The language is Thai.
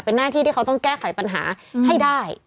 เป็นหน้าที่ที่เขาต้องแก้ไขปัญหาให้ได้